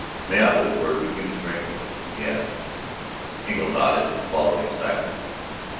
"May I have a word with you, Mr. Engle?" he asked. Engle nodded and followed him silently.